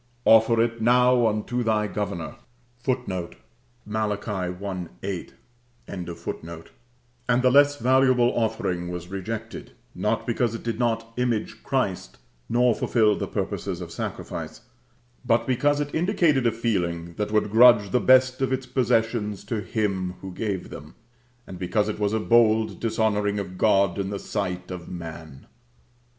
"Offer it now unto thy governor."[C] And the less valuable offering was rejected, not because it did not image Christ, nor fulfil the purposes of sacrifice, but because it indicated a feeling that would grudge the best of its possessions to Him who gave them; and because it was a bold dishonoring of God in the sight of man.